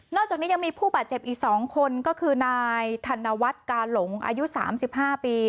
จากนี้ยังมีผู้บาดเจ็บอีก๒คนก็คือนายธนวัฒน์กาหลงอายุ๓๕ปี